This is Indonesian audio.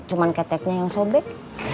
cuma keteknya yang sobek